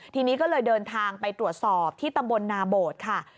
ทีนี้ก็เลยเดินทางไปตรวจสอบที่ตำบลนาโบดค่ะ